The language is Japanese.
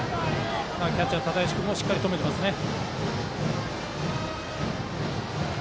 キャッチャー、只石君もしっかり止めていますね。